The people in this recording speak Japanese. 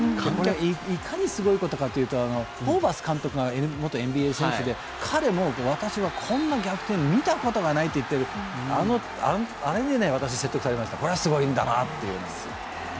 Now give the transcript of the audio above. いかにすごいことかというと監督が元ＮＢＡ選手で、彼もこんな試合見たことがないとあれも私は説得されました、これはすごいんだなと。